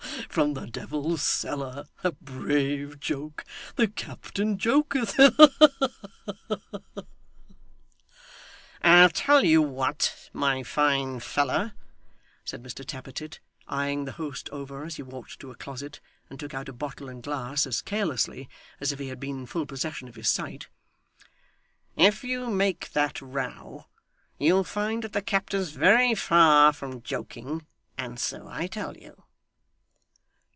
From the devil's cellar! A brave joke! The captain joketh. Ha, ha, ha!' 'I'll tell you what, my fine feller,' said Mr Tappertit, eyeing the host over as he walked to a closet, and took out a bottle and glass as carelessly as if he had been in full possession of his sight, 'if you make that row, you'll find that the captain's very far from joking, and so I tell you.